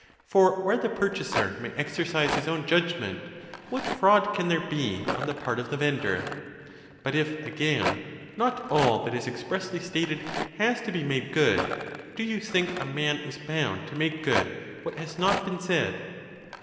For where the purchaser may exercise his own judgment, what fraud can there be on the part of the vendor.^ But if, again, not all that is expressly stated has to be made good, do you think a man is bound to make good what has not been said